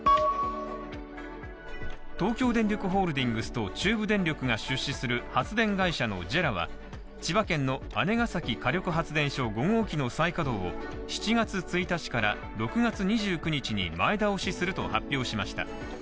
東京電力ホールディングスと中部電力が出資する発電会社のＪＥＲＡは千葉県の姉崎火力発電所５号機の再稼働を７月１日から６月２９日に前倒しすると発表しました。